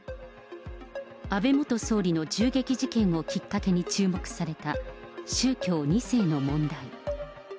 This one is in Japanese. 安倍元総理の銃撃事件をきっかけに注目された宗教２世の問題。